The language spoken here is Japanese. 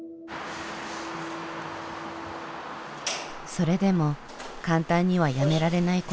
それでも簡単にはやめられないこともありました。